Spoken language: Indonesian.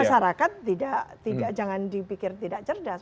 dan masyarakat tidak jangan dipikir tidak cerdas